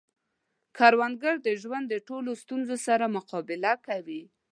کروندګر د ژوند د ټولو ستونزو سره مقابله کوي